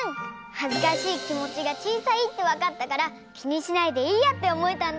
はずかしいきもちがちいさいってわかったからきにしないでいいやっておもえたんだ。